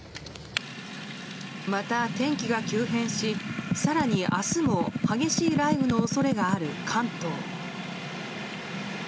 また天気が急変し更に明日も激しい雷雨の恐れがある関東。